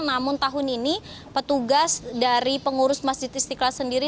namun tahun ini petugas dari pengurus masjid istiqlal sendiri